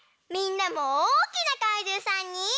みんなもおおきなかいじゅうさんに。